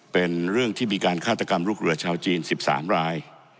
เป็นเรื่องที่มีการฆาตกรรมลูกเรือชาวจีน๑๓ราย